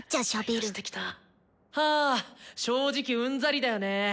はあ正直うんざりだよね。